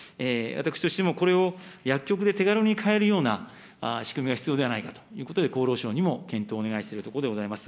私としても、これを薬局で手軽に買えるような仕組みが必要ではないかということで、厚労省にも検討をお願いしているところでございます。